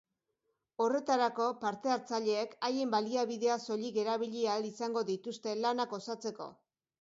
Horretarako partehartzaileek haien baliabideak soilik erabili ahal izango dituzte lanak osatzeko.